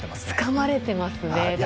つかまれてます！